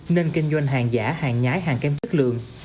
nên kinh doanh hàng giả hàng nhái hàng kém chất lượng